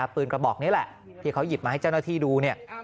ปืนกระบอกนี้แหละที่เขาหยิบมาให้เจ้าหน้าที่ดูเนี่ย